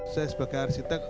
saya sebagai arsitek